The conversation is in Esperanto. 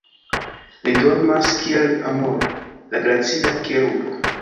Li dormas kiel amoro, la gracia kerubo.